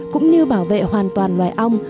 cũng như bảo vệ hoàn toàn loài ong